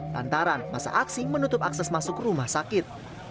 lantaran masa aksi menutup akses masuk rumah sakit